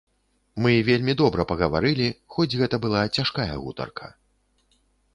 Мы вельмі добра пагаварылі, хоць гэта была цяжкая гутарка.